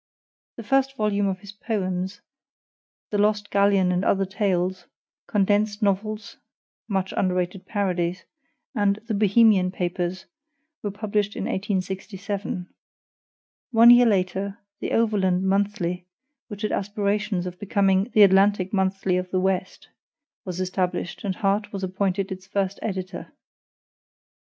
The first volume of his poems, THE LOST GALLEON AND OTHER TALES, CONDENSED NOVELS (much underrated parodies), and THE BOHEMIAN PAPERS were published in 1867. One year later, THE OVERLAND MONTHLY, which had aspirations of becoming "the ATLANTIC MONTHLY of the West," was established, and Harte was appointed its first editor.